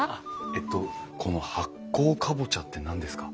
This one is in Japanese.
えとこの発酵カボチャって何ですか？